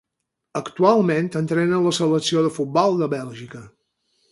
Actualment entrena la selecció de futbol de Bèlgica.